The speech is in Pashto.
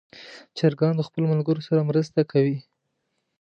چرګان د خپلو ملګرو سره مرسته کوي.